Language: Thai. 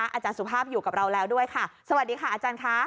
อาจารย์สุภาพอยู่กับเราแล้วด้วยค่ะสวัสดีค่ะอาจารย์ค่ะ